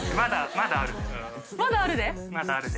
まだあるで。